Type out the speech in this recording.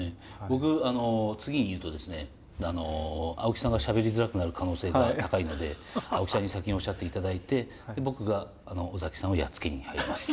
僕次に言うとですね青木さんがしゃべりづらくなる可能性が高いので青木さんに先におっしゃっていただいて僕が尾崎さんをやっつけに入ります。